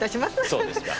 そうですか。